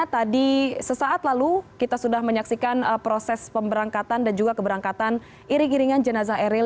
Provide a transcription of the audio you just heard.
tadi sesaat lalu kita sudah menyaksikan proses pemberangkatan dan juga keberangkatan iring iringan jenazah eril